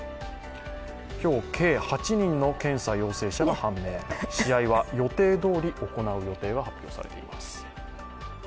今日計８人の検査陽性者が判明、試合は予定どおり行う予定が発表されています。